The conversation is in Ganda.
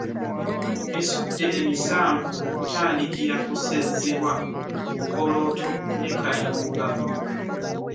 Esudde emisanvu okutandikira ku Ssezzibwa, Bukolooto ne Kayunga